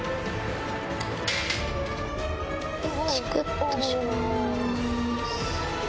チクっとします。